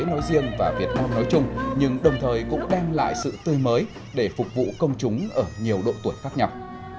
huế nói riêng và việt nam nói chung nhưng đồng thời cũng đem lại sự tươi mới để phục vụ công chúng ở nhiều độ tuổi phát nhập